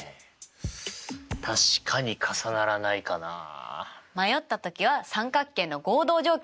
確かに重ならないかなあ。